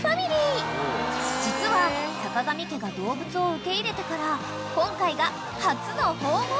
［実は坂上家が動物を受け入れてから今回が初の訪問］